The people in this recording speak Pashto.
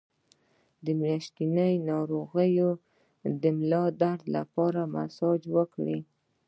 د میاشتنۍ ناروغۍ د ملا درد لپاره مساج وکړئ